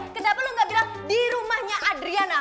kenapa lo gak bilang di rumahnya adriana